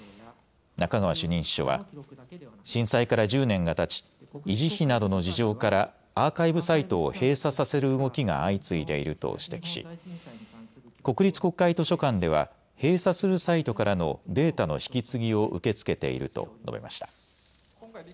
中川主任司書は震災から１０年がたち維持費などの事情からアーカイブサイトを閉鎖させる動きが相次いでいると指摘し国立国会図書館では閉鎖するサイトからのデータの引き継ぎを受け付けていると述べました。